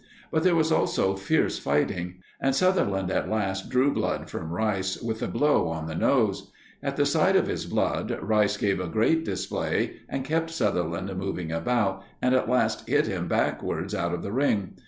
But there was also fierce fighting, and Sutherland at last drew blood from Rice with a blow on the nose. At the sight of his blood, Rice gave a great display and kept Sutherland moving about, and at last hit him backwards out of the ring.